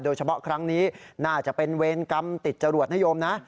ครั้งนี้น่าจะเป็นเวรกรรมติดจรวดนโยมนะ